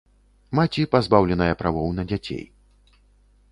Маці пазбаўленая правоў на дзяцей.